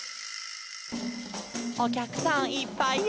「おきゃくさんいっぱいや」